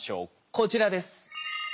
こちらです。